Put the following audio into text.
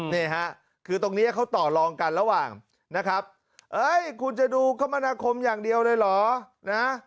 นี่ฮะคือตรงนี้เขาต่อลองกันระหว่างนะครับเอ้ยคุณจะดูคมนาคมอย่างเดียวเลยเหรอนะ